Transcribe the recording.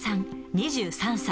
２３歳。